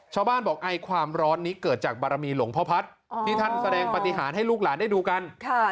ชาวบ้านบอกไอความร้อนนี้เกิดจากบารมีหลวงพ่อพัฒน์ที่ท่านแสดงปฏิหารให้ลูกหลานได้ดูกัน